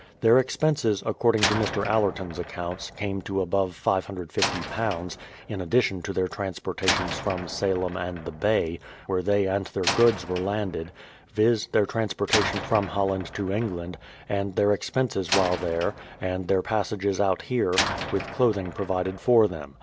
Their expenses, according to Mr. Allerton's accounts, came to above £550 (in addi tion to their transportations from Salem and the Bay, where they and their goods were landed), viz.: their trans portation from Holland to England, and their expenses while there, and their passages out here, with clothing pro vided for them.